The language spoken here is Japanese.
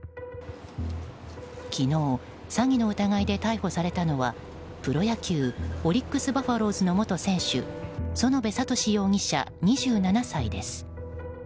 昨日、詐欺の疑いで逮捕されたのはプロ野球オリックス・バファローズの元選手園部聡容疑者、２７歳です。